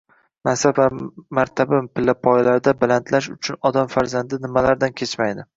Mansab va martaba pillapoyalarida balandlash uchun odam farzandi nimalardan kechmaydi